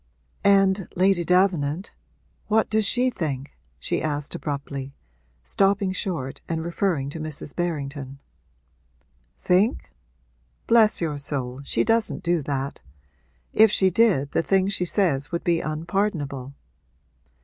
'And, Lady Davenant, what does she think?' she asked abruptly, stopping short and referring to Mrs. Berrington. 'Think? Bless your soul, she doesn't do that! If she did, the things she says would be unpardonable.'